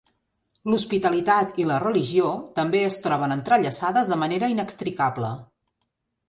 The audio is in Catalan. L'hospitalitat i la religió també es troben entrellaçades de manera inextricable.